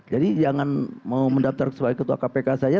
jadi jangan mau mendaftar sebagai ketua kpk saja